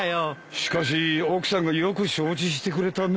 しかし奥さんがよく承知してくれたね。